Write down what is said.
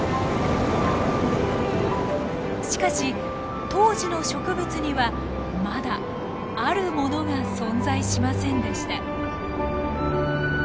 しかし当時の植物にはまだあるものが存在しませんでした。